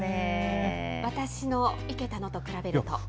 私の生けたのと比べると。